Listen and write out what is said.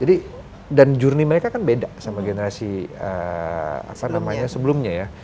jadi dan journey mereka kan beda sama generasi apa namanya sebelumnya ya